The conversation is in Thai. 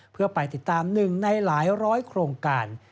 เพื่อไปติดตาม๑ในหลายร้อยโครงการ